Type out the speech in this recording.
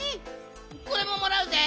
これももらうぜ！